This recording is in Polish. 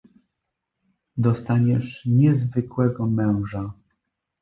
"Dostaniesz niezwykłego męża."